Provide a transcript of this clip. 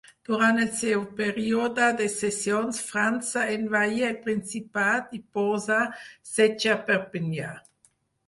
Durant el seu període de sessions França envaí el Principat i posà setge a Perpinyà.